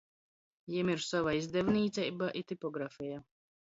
Jim ir sova izdevnīceiba i tipografeja.